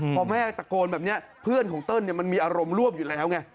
พอแม่ตะโกนแบบนี้เพื่อนของเติ้ลมันมีอารมณ์ร่วมอยู่แล้วไง